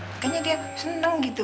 makanya dia seneng gitu